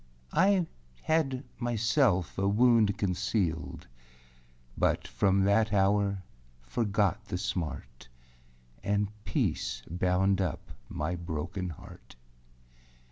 I had myself a wound concealed, But from that hour forgot the smart, And peace bound up my broken heart.